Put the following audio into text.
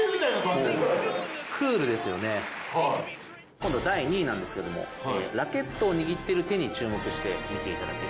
今度第２位なんですけどもラケットを握ってる手に注目して見ていただいて。